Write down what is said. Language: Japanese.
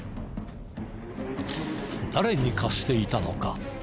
誰に貸していたのか？